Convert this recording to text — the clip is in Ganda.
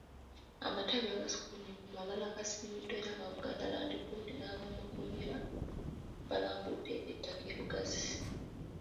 Amatabi agasukkulumye ku malala gasiimiddwa era aba Buganda Land Board n'abaamakomera baalambudde ettaka e Lugazi.